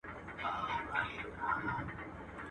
د خوښۍ کمبله ټوله سوه ماتم سو.